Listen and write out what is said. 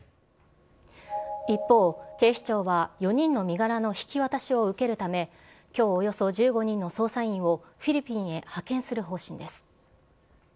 一方、警視庁は４人の身柄の引き渡しを受けるため、きょう、およそ１５人の捜査員をフィリピンへ派遣する方針です。